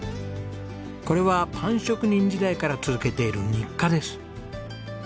これはパン職人時代から続けている日課です。